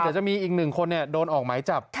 เดี๋ยวจะมีอีกหนึ่งคนโดนออกไม้จับ